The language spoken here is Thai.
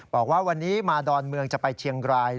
บอกว่าวันนี้มาดอนเมืองจะไปเชียงราย